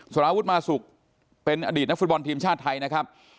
สารวุฒิมาสุกเป็นอดีตนักฟุตบอลทีมชาติไทยนะครับ